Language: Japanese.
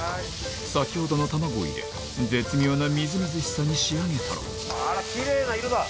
先ほどの卵を入れ絶妙なみずみずしさに仕上げたらあらキレイな色だ